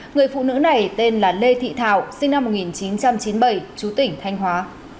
người phụ nữ này tên là lê thị thảo sinh năm một nghìn chín trăm chín mươi bảy chú tỉnh thanh hóa